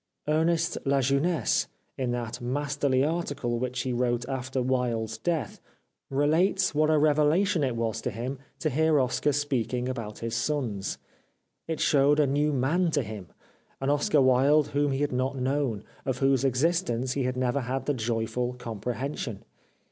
Ernest La Jeunesse in that masterly article which he wrote after Wilde's death relates what a revelation it was to him to hear Oscar speaking about his sons. It showed a new man to him ; an Oscar Wilde whom he had not known, of whose existence he had never had the joyful comprehension.